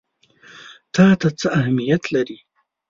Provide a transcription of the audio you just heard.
تا ته څه اهمیت لري؟